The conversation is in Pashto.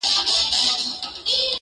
په رڼا ورځ چي په عصا د لاري څرک لټوي-